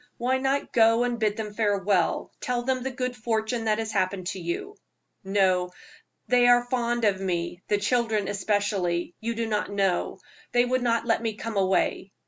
Why not go and bid them farewell? Tell them the good fortune that has happened to you." "No; they are very fond of me the children especially. You do not know; they would not let me come away."